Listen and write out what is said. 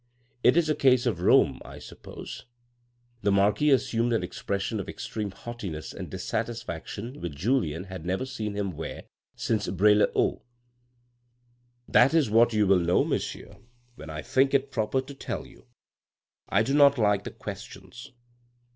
It is a case of Rome, I suppose " The marquis assumed an expression of extreme haughtiness and dissatisfaction which Julien had never seen him wear since Bray le Haut. " That is what you will know, monsieur, when I think it proper to tell you. I do not like questions."